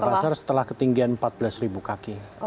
makassar setelah ketinggian empat belas ribu kaki